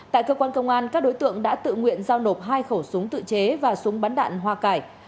tại cơ quan công an các đối tượng đã tự nguyện giao nộp hai khẩu súng tự chế và súng bắn đạn hoa cải